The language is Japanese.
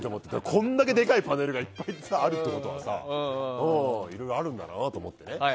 こんだけでかいパネルがいっぱいあるってことはいろいろあるんだなと思って。